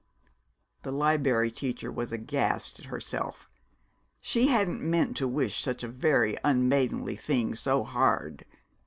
The Liberry Teacher was aghast at herself. She hadn't meant to wish such a very unmaidenly thing so hard.